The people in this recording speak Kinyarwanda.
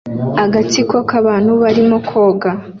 Agatsiko k'abantu barimo koga